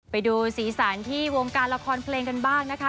ไปดูสีสันที่วงการละครเพลงกันบ้างนะคะ